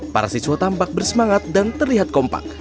para siswa tampak bersemangat dan terlihat kompak